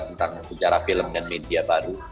tentang sejarah film dan media baru